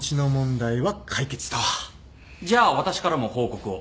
じゃあ私からも報告を。